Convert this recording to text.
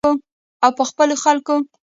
او په خپلو خلکو.